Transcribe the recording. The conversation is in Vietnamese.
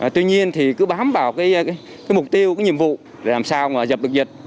tuy nhiên cứ bám vào mục tiêu nhiệm vụ để làm sao dập dịch